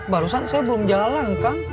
barusan saya belum jalan kang